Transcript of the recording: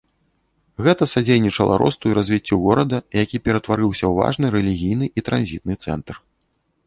Гэта садзейнічала росту і развіццю горада, які ператварыўся ў важны рэлігійны і транзітны цэнтр.